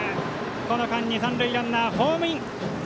この間に三塁ランナーホームイン。